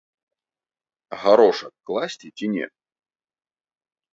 Гарошак класці ці не?